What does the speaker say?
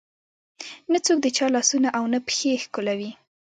نه څوک د چا لاسونه او نه پښې ښکلوي.